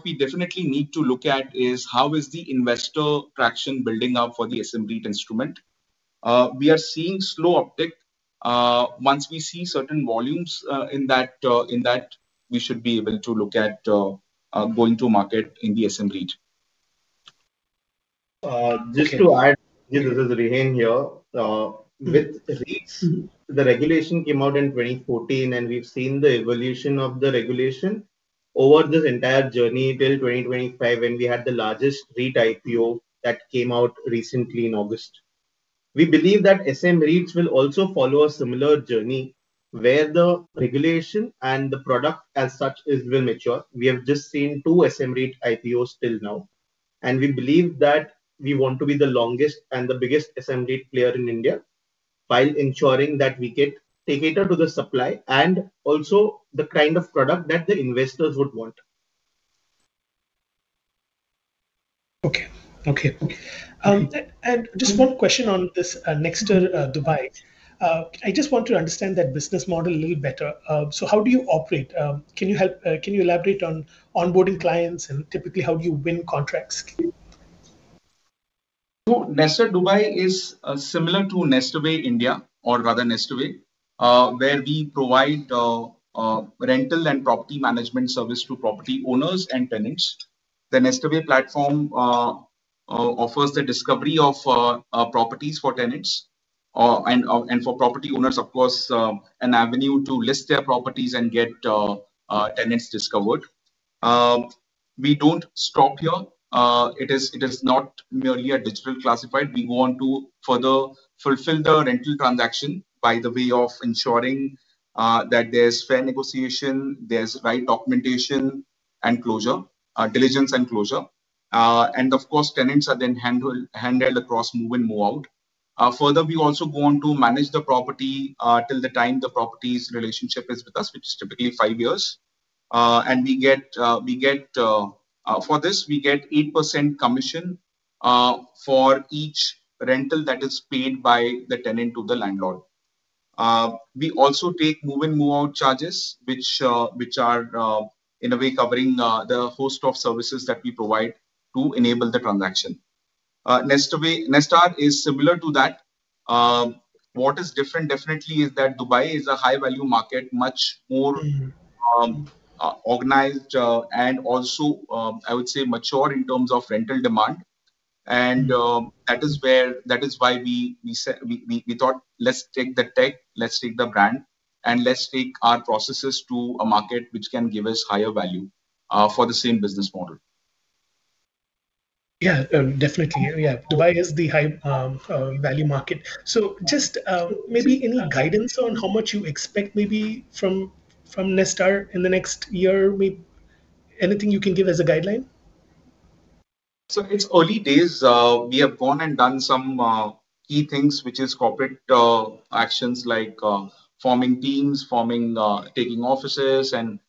we definitely need to look at is how the investor traction is building up for the SM-REIT instrument. We are seeing slow uptake. Once we see certain volumes in that, we should be able to look at going to market in the SM-REIT. Just to add, this is Rehan here. With REITs, the regulation came out in 2014, and we've seen the evolution of the regulation over this entire journey till 2025 when we had the largest REIT IPO that came out recently in August. We believe that SM-REITs will also follow a similar journey where the regulation and the product as such will mature. We have just seen two SM-REIT IPOs till now. We believe that we want to be the longest and the biggest SM-REIT player in India while ensuring that we take it to the supply and also the kind of product that the investors would want. Okay, okay. Just one question on this Nestaway Dubai. I just want to understand that business model a little better. How do you operate? Can you elaborate on onboarding clients and typically how do you win contracts? Nestaway Lite is similar to Nestaway, where we provide rental and property management service to property owners and tenants. The Nestaway platform offers the discovery of properties for tenants and for property owners, of course, an avenue to list their properties and get tenants discovered. We don't stop here. It is not merely a digital classified. We go on to further fulfill the rental transaction by way of ensuring that there's fair negotiation, there's right documentation and closure, diligence and closure. Of course, tenants are then handled across move-in, move-out. Further, we also go on to manage the property till the time the property's relationship is with us, which is typically five years. For this, we get 8% commission for each rental that is paid by the tenant to the landlord. We also take move-in, move-out charges, which are, in a way, covering the host of services that we provide to enable the transaction. Nestaway is similar to that. What is different, definitely, is that Dubai is a high-value market, much more organized and also, I would say, mature in terms of rental demand. That is why we thought, let's take the tech, let's take the brand, and let's take our processes to a market which can give us higher value for the same business model. Yeah, definitely. Yeah, Dubai is the high-value market. Maybe any guidance on how much you expect from Nestaway in the next year? Anything you can give as a guideline? It's early days. We have gone and done some key things, which are corporate actions like forming teams, taking offices, and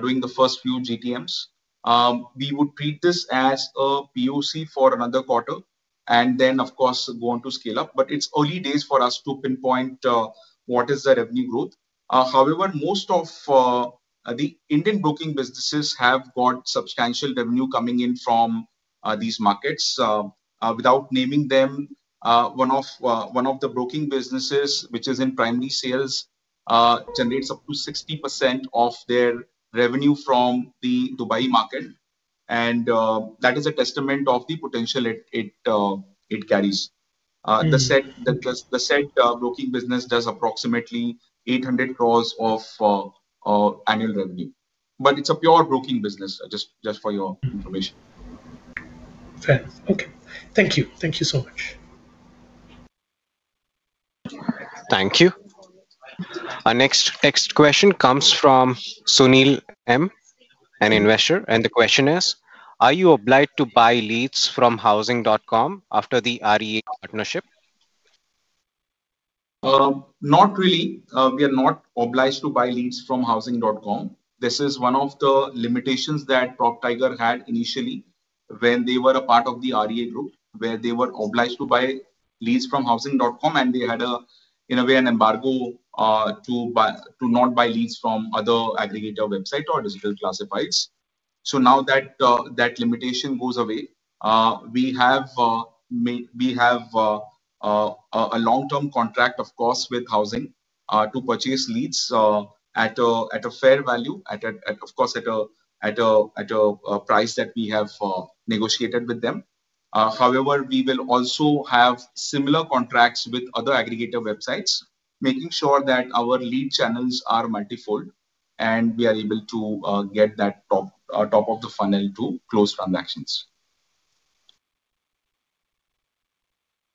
doing the first few GTMs. We would treat this as a POC for another quarter and then go on to scale up. It's early days for us to pinpoint what is the revenue growth. However, most of the Indian broking businesses have got substantial revenue coming in from these markets. Without naming them, one of the broking businesses, which is in primary sales, generates up to 60% of their revenue from the Dubai market. That is a testament of the potential it carries. The said broking business does approximately 800 crore of annual revenue. It's a pure broking business, just for your information. Fair. Okay. Thank you. Thank you so much. Thank you. Our next text question comes from Sunil M., an investor. The question is, are you obliged to buy leads from housing.com after the REA partnership? Not really. We are not obliged to buy leads from housing.com. This is one of the limitations that PropTiger had initially when they were a part of the REA Group, where they were obliged to buy leads from housing.com. They had, in a way, an embargo to not buy leads from other aggregator websites or digital classifieds. Now that limitation goes away. We have a long-term contract, of course, with housing to purchase leads at a fair value, at a price that we have negotiated with them. However, we will also have similar contracts with other aggregator websites, making sure that our lead channels are multifold and we are able to get that top of the funnel to close transactions.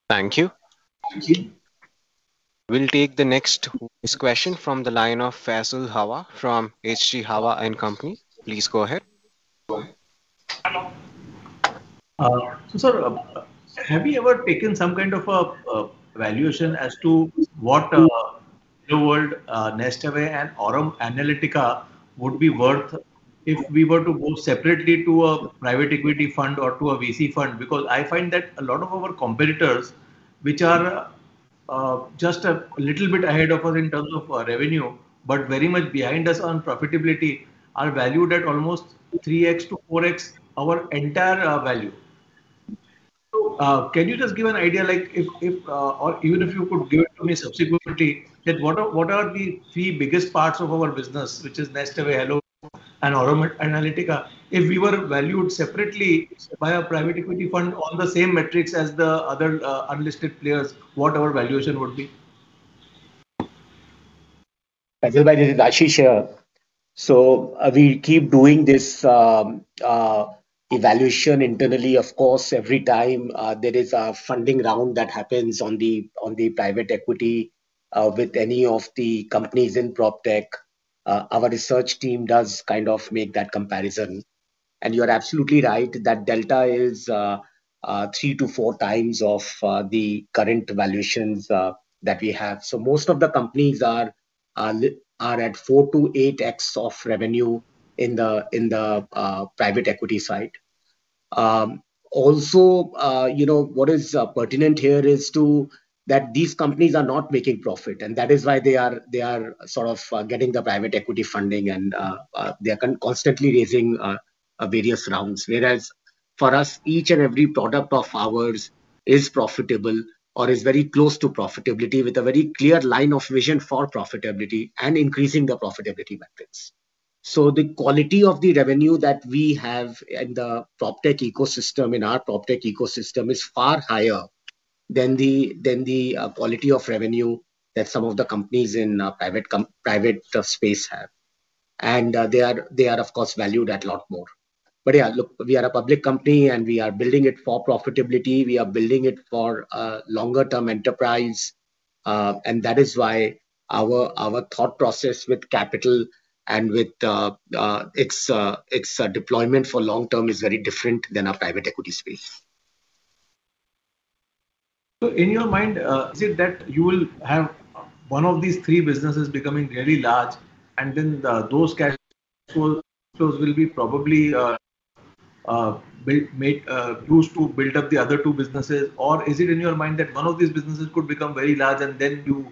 Thank you. We'll take the next question from the line of Fazl Hawa from HG Hawa & Company. Please go ahead. Sir, have you ever taken some kind of a valuation as to what HelloWorld, Nestaway, and Aurum Analytica would be worth if we were to go separately to a private equity fund or to a VC fund? I find that a lot of our competitors, which are just a little bit ahead of us in terms of revenue, but very much behind us on profitability, are valued at almost 3x to 4x our entire value. Can you just give an idea, like if, or even if you could give it to me subsequently, what are the three biggest parts of our business, which is Nestaway, HelloWorld, and Aurum Analytica? If we were valued separately by a private equity fund on the same metrics as the other unlisted players, what our valuation would be? Fazl by this is Ashish. We keep doing this evaluation internally, of course, every time there is a funding round that happens on the private equity with any of the companies in propTech. Our research team does kind of make that comparison. You're absolutely right that delta is three to four times of the current valuations that we have. Most of the companies are at 4x to 8x of revenue in the private equity side. Also, what is pertinent here is that these companies are not making profit. That is why they are sort of getting the private equity funding. They are constantly raising various rounds, whereas for us, each and every product of ours is profitable or is very close to profitability with a very clear line of vision for profitability and increasing the profitability metrics. The quality of the revenue that we have in the proptech ecosystem, in our proptech ecosystem, is far higher than the quality of revenue that some of the companies in the private space have. They are, of course, valued a lot more. We are a public company and we are building it for profitability. We are building it for a longer-term enterprise. That is why our thought process with capital and with its deployment for long-term is very different than our private equity space. In your mind, is it that you will have one of these three businesses becoming really large and then those cash flows will be probably used to build up the other two businesses? Is it in your mind that one of these businesses could become very large and then you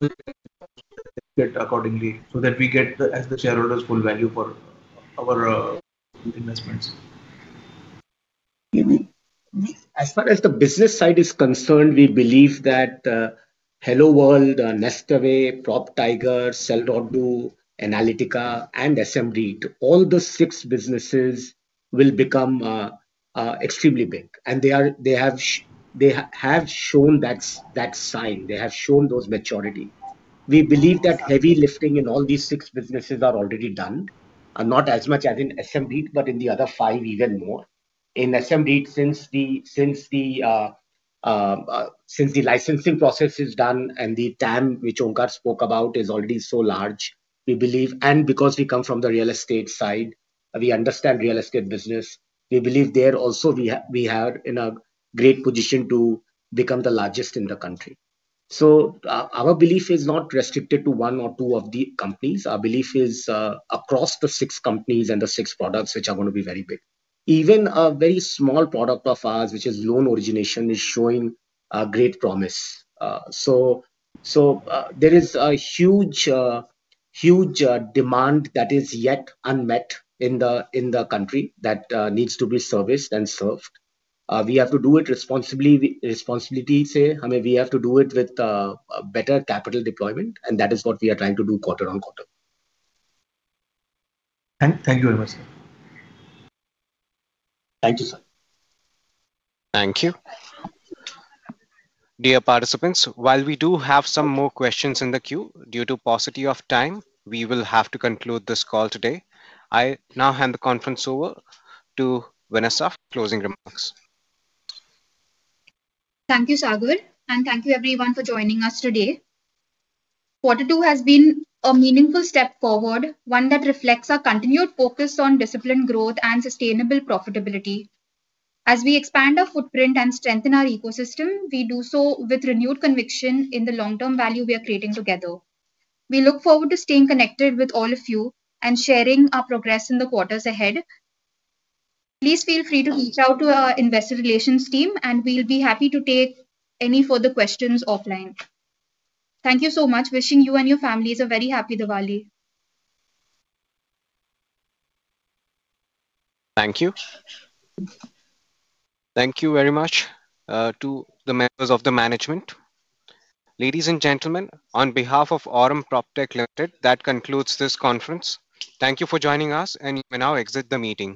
demonstrate accordingly so that we get the shareholders' full value for our investments? As far as the business side is concerned, we believe that HelloWorld, Nestaway, PropTiger, Sell.Do, Analytica, and SM-REIT, all the six businesses will become extremely big. They have shown that sign. They have shown those maturity. We believe that heavy lifting in all these six businesses is already done, not as much as in SM-REIT, but in the other five even more. In SM-REIT, since the licensing process is done and the TAM, which Onkar spoke about, is already so large, we believe, and because we come from the real estate side, we understand real estate business. We believe there also we are in a great position to become the largest in the country. Our belief is not restricted to one or two of the companies. Our belief is across the six companies and the six products which are going to be very big. Even a very small product of ours, which is loan origination, is showing great promise. There is a huge demand that is yet unmet in the country that needs to be serviced and served. We have to do it responsibly. We have to do it with better capital deployment. That is what we are trying to do quarter on quarter. Thank you very much, sir. Thank you, sir. Thank you. Dear participants, while we do have some more questions in the queue, due to the paucity of time, we will have to conclude this call today. I now hand the conference over to Vanessa for closing remarks. Thank you, Sagar, and thank you, everyone, for joining us today. Quarter two has been a meaningful step forward, one that reflects our continued focus on disciplined growth and sustainable profitability. As we expand our footprint and strengthen our ecosystem, we do so with renewed conviction in the long-term value we are creating together. We look forward to staying connected with all of you and sharing our progress in the quarters ahead. Please feel free to reach out to our Investor Relations team, and we'll be happy to take any further questions offline. Thank you so much. Wishing you and your families a very happy Diwali. Thank you. Thank you very much to the members of the management. Ladies and gentlemen, on behalf of Aurum PropTech Limited, that concludes this conference. Thank you for joining us, and you may now exit the meeting.